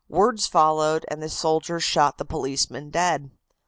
Words followed, and the soldier shot the policeman dead."